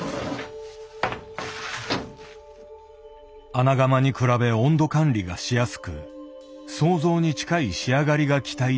穴窯に比べ温度管理がしやすく想像に近い仕上がりが期待できる。